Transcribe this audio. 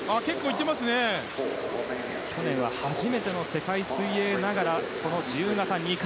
去年は初めての世界水泳ながら自由形２冠。